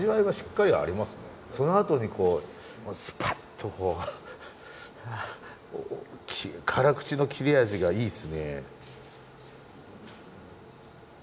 そのあとにスパッとこう辛口の切れ味がいいっすね。